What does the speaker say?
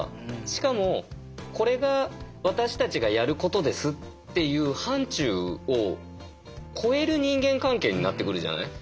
しかもこれが私たちがやることですっていう範ちゅうを超える人間関係になってくるじゃない？